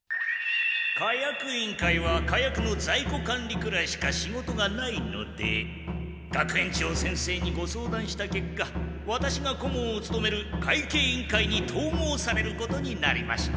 火薬委員会は火薬の在庫管理くらいしか仕事がないので学園長先生にご相談した結果ワタシが顧問をつとめる会計委員会に統合されることになりました。